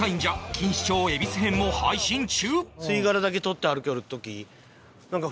錦糸町恵比寿編も配信中！